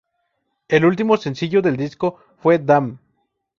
El último sencillo del disco fue “Damn!